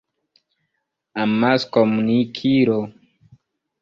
amaskomunikilo